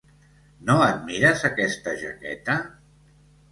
No admires aquesta jaqueta?